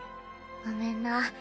ごめんな。